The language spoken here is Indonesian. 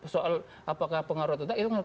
soal apakah pengaruh atau tidak itu nggak